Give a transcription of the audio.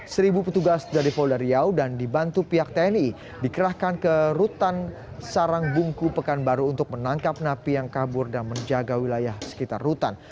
seribu petugas dari polda riau dan dibantu pihak tni dikerahkan ke rutan sarangbungku pekanbaru untuk menangkap napi yang kabur dan menjaga wilayah sekitar rutan